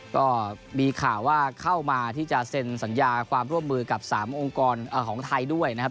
ก็มีข่าวว่าเข้ามาที่จะเซ็นสัญญาความร่วมมือกับ๓องค์กรของไทยด้วยนะครับ